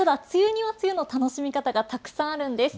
ただ梅雨には梅雨の楽しみ方がたくさんあるんです。